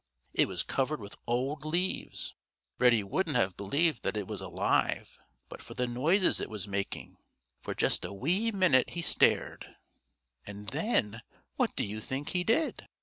It was covered with old leaves. Reddy wouldn't have believed that it was alive but for the noises it was making. For just a wee minute he stared, and then, what do you think he did?